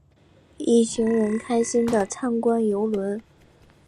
一行人开心的参观邮轮。